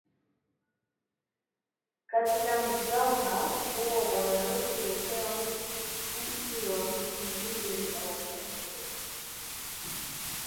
Katika mzaha huo bwana harusi hupewa mchi wa mti ili aukalie usiku kucha